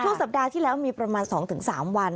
สัปดาห์ที่แล้วมีประมาณ๒๓วัน